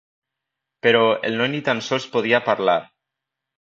Però el noi ni tan sols podia parlar.